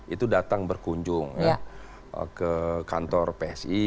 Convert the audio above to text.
itu datang berkunjung ke kantor psi